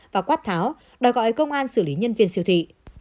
và quát tháo đòi gọi công an xử lý nhân viên siêu thị